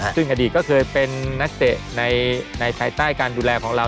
ซึ่งอดีตก็เคยเป็นนักเตะในภายใต้การดูแลของเรา